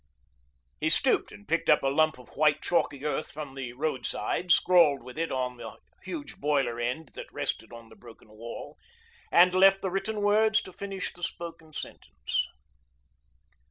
He stooped and picked up a lump of white, chalky earth from the roadside, scrawled with it on the huge boiler end that rested on the broken wall, and left the written words to finish the spoken sentence.